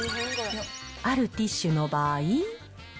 あるティッシュの場合。